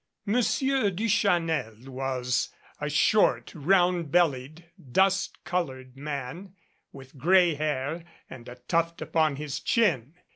Monsieur Duchanel was a short, round bellied, dust colored man, with gray hair and a tuft upon his chin.